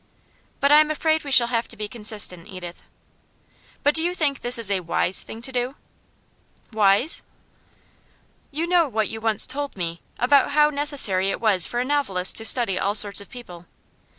'I'm afraid we shall have to be consistent, Edith.' 'But do you think this is a WISE thing to do?' 'Wise?' 'You know what you once told me, about how necessary it was for a novelist to study all sorts of people.